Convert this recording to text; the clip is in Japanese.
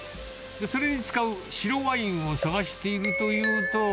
それに使う白ワインを探しているというと。